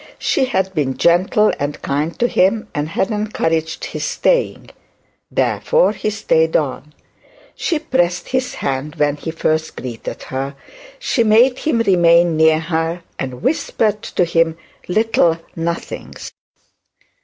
She had been gentle and kind to him, and had encouraged his staying. Therefore he stayed on. She pressed his hand when he first greeted her; and whispered to him little nothings.